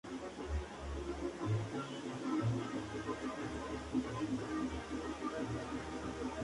Un papa invoca su infalibilidad cada vez que proclama un dogma.